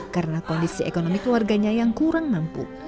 karena kondisi ekonomi keluarganya yang kurang mampu